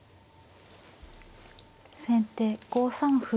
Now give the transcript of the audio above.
先手５三歩。